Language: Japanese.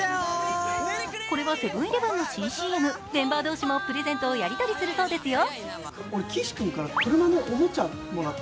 これはセブン−イレブンの新ＣＭメンバー同士もプレゼントをやり取りするそうですよ。